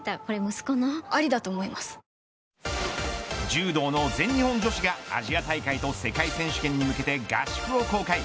柔道の全日本女子がアジア大会と世界選手権に向けて合宿を公開。